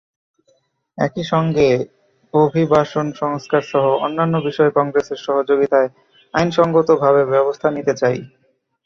একই সঙ্গে অভিবাসন সংস্কারসহ অন্যান্য বিষয়ে কংগ্রেসের সহযোগিতায় আইনসংগতভাবে ব্যবস্থা নিতে চাই।